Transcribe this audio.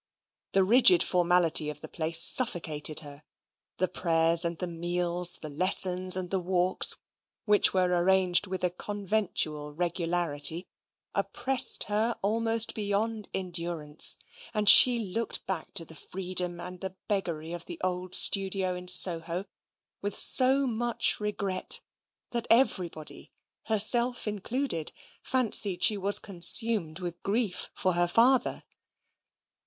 The rigid formality of the place suffocated her: the prayers and the meals, the lessons and the walks, which were arranged with a conventual regularity, oppressed her almost beyond endurance; and she looked back to the freedom and the beggary of the old studio in Soho with so much regret, that everybody, herself included, fancied she was consumed with grief for her father.